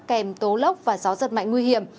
kèm tố lốc và gió giật mạnh nguy hiểm